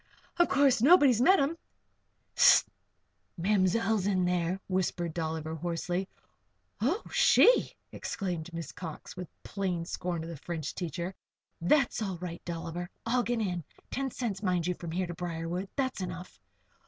Of course, nobody's met 'em?" "Hist! Ma'mzell's in there," whispered Dolliver, hoarsely. "Oh! She!" exclaimed Miss Cox, with plain scorn of the French teacher. "That's all right, Dolliver. I'll get in. Ten cents, mind you, from here to Briarwood. That's enough."